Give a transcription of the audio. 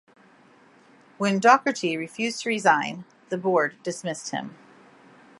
When Docherty refused to resign, the board dismissed him.